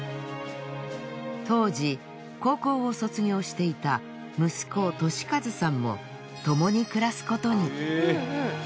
当時高校を卒業していた息子利数さんも共に暮らすことに。